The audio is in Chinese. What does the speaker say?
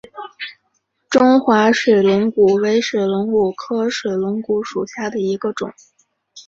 中华水龙骨为水龙骨科水龙骨属下的一个种。